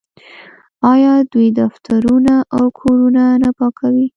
آیا دوی دفترونه او کورونه نه پاکوي؟